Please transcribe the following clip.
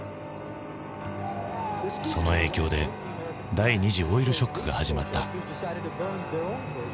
その影響で第２次オイルショックが始まった。